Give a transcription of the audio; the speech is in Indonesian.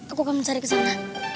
aku akan mencari kesana